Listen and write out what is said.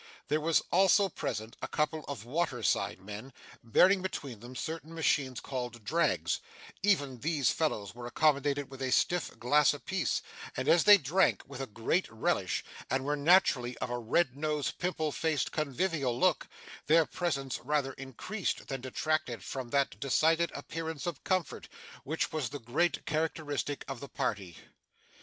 There were also present, a couple of water side men, bearing between them certain machines called drags; even these fellows were accommodated with a stiff glass a piece; and as they drank with a great relish, and were naturally of a red nosed, pimple faced, convivial look, their presence rather increased than detracted from that decided appearance of comfort, which was the great characteristic of the party.